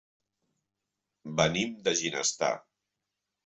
Venim de Ginestar.